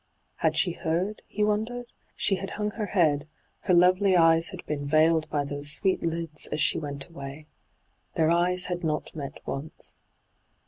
Had she heard 1 he wondered. She had hung her head ; her lovely eyes had heen veiled by those sweet lids ab she went away. Their eyes had not met once.